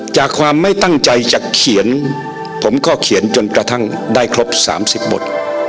จากความไม่ตั้งใจจะเขียนผมก็เขียนจนกระทั่งได้ครบ๓๐บท